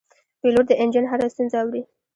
پیلوټ د انجن هره ستونزه اوري.